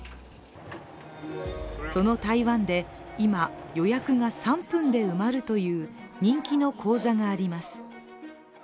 その台湾で、今、予約が３分で埋まるという人気の講座があります。